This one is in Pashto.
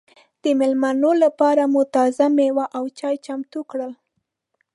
د مېلمنو لپاره مو تازه مېوې او چای چمتو کړل.